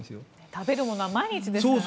食べるものは毎日ですからね。